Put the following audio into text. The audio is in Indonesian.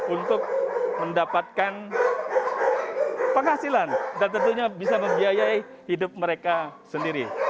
untuk mendapatkan penghasilan dan tentunya bisa membiayai hidup mereka sendiri